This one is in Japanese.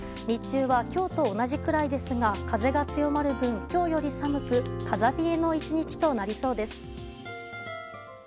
日中は今日と同じくらいですが風が強まる分、今日より寒く風冷えの１日となりそうです。